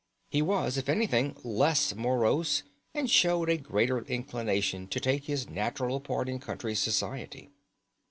He was, if anything, less morose, and showed a greater inclination to take his natural part in country society.